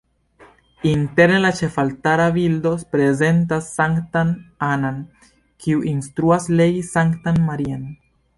Interne la ĉefaltara bildo prezentas Sanktan Anna-n, kiu instruas legi Sanktan Maria-n.